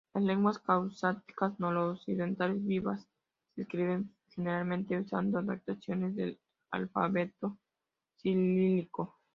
Las lenguas caucásicas noroccidentales vivas se escriben generalmente usando adaptaciones del alfabeto cirílico.